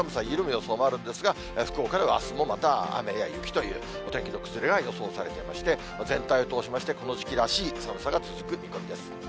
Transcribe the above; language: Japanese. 緩む予想もあるんですが、福岡では、あすもまた雨や雪というお天気の崩れが予想されていまして、全体を通しまして、この時期らしい寒さが続く見込みです。